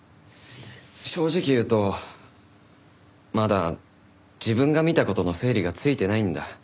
正直言うとまだ自分が見た事の整理がついてないんだ。